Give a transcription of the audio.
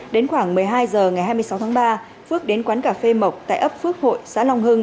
đến khoảng một mươi hai h ngày hai mươi sáu tháng ba phước đến quán cà phê mộc tại ấp phước hội xã long hưng